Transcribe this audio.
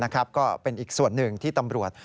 ก็เป็นอีกส่วนหนึ่งที่ตำรวจ